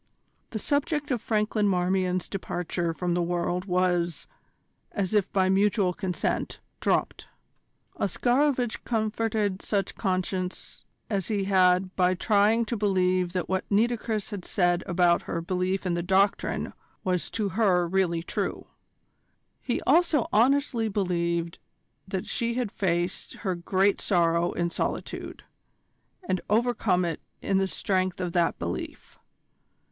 The subject of Franklin Marmion's departure from the world was, as if by mutual consent, dropped. Oscarovitch comforted such conscience as he had by trying to believe that what Nitocris had said about her belief in the Doctrine was to her really true. He also honestly believed that she had faced her great sorrow in solitude, and overcome it in the strength of that belief.